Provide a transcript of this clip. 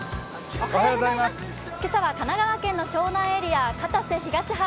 今朝は神奈川県の湘南エリア、片瀬東浜